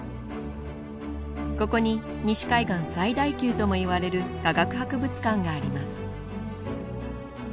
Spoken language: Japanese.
ここに西海岸最大級ともいわれる科学博物館があります